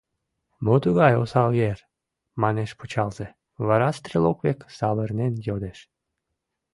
— Мо тугай осал ер, — манеш пычалзе, вара стрелок век савырнен йодеш: